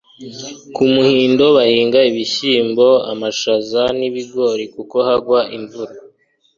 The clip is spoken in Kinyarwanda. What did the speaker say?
ku muhindo bahinga ibishyimbo, amashaza, n'ibigori kuko hagwa imvura